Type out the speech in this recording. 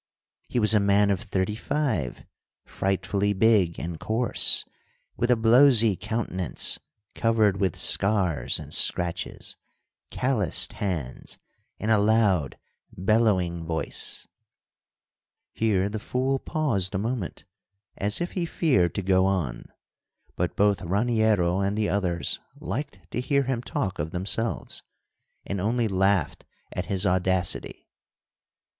He was a man of thirty five, frightfully big and coarse, with a blowsy countenance covered with scars and scratches, calloused hands, and a loud, bellowing voice." Here the fool paused a moment, as if he feared to go on, but both Raniero and the others liked to hear him talk of themselves, and only laughed at his audacity.